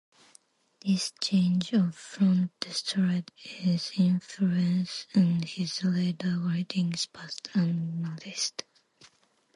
This change of front destroyed his influence and his later writings passed unnoticed.